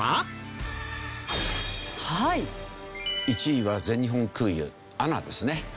１位は全日本空輸ＡＮＡですね。